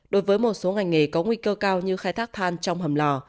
đối với một số ngành nghề có nguy cơ cao như khai thác than trong hầm lò